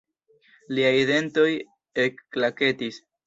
Liaj dentoj ekklaketis.